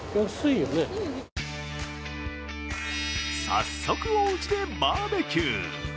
早速、おうちでバーベキュー。